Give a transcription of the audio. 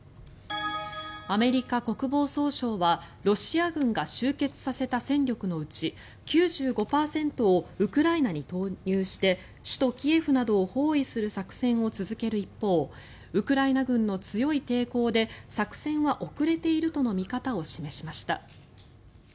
アメリカ国防総省はロシア軍が集結させた戦力のうち９５％をウクライナに投入して首都キエフなどを包囲する作戦を続ける一方ウクライナ軍の強い抵抗で作戦は遅れているとの見方を示しました。